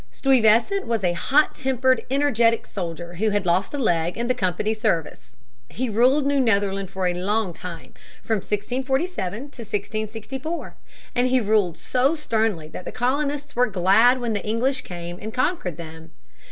Stuyvesant was a hot tempered, energetic soldier who had lost a leg in the Company's service. He ruled New Netherland for a long time, from 1647 to 1664. And he ruled so sternly that the colonists were glad when the English came and conquered them.